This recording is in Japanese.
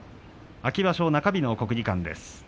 秋場所、中日の国技館です。